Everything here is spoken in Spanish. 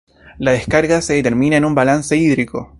La descarga se determina de un balance hídrico.